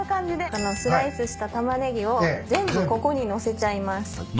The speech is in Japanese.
このスライスしたタマネギを全部ここに載せちゃいます。